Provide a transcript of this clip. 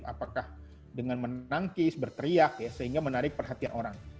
apakah dengan menangkis berteriak ya sehingga menarik perhatian orang